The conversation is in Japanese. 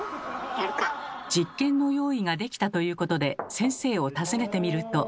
実験の用意ができたということで先生を訪ねてみると。